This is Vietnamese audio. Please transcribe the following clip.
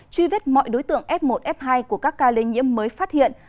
truy vết mọi đối tượng f một f hai của các ca lây nhiễm mới phát hiện